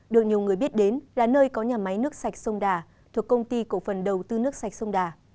được nhiều người biết đến là nơi có nhà máy nước sạch sông đà thuộc công ty cổ phần đầu tư nước sạch sông đà